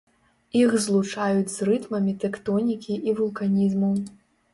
Іх злучаюць з рытмамі тэктонікі і вулканізму.